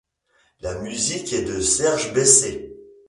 La musique est de Serge Besset.